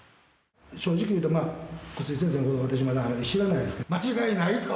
正直言うて、まあ楠井先生のこと、私あまり知らないですけど、間違いないと。